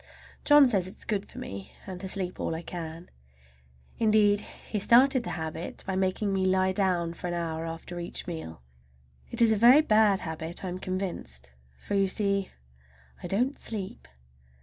John says it is good for me, and to sleep all I can. Indeed, he started the habit by making me lie down for an hour after each meal. It is a very bad habit, I am convinced, for, you see, I don't sleep.